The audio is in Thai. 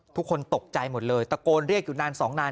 ทุกคนตกใจหมดเลยตะโกนเรียกอยู่นานสองนาน